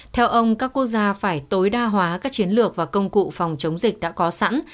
theo ông các quốc gia phải tối đa hóa các chiến lược và công cụ phòng chống dịch đã có sẵn